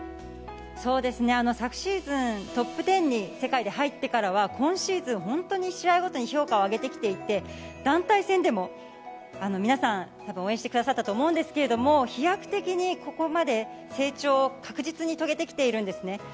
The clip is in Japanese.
昨シーズン、トップ１０に世界で入ってからは今シーズン、本当に試合ごとに評価を上げてきていて団体戦でも皆さん応援してくださったと思うんですけど飛躍的にここまで成長を確実に遂げてきているんですね。